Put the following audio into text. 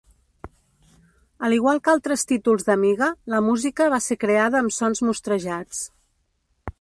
Al igual que altres títols d'Amiga, la música va ser creada amb sons mostrejats.